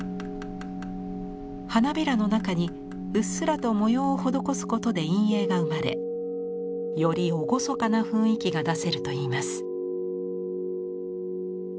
花びらの中にうっすらと模様を施すことで陰影が生まれより厳かな雰囲気が出せるといいます。